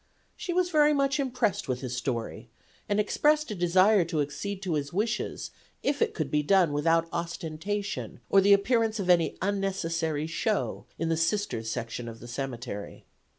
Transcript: She was very much impressed with his story, and expressed a desire to accede to his wishes if it could be done without ostentation or the appearance of any unnecessary show in the Sisters' section of the cemetery.